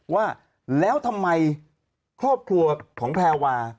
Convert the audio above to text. ว่าแล้วทำไมครอบครัวของแพรวา